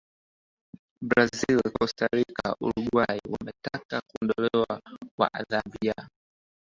Brazil Costa Rica na Uruguay wametaka kuondolewa kwa adhabu ya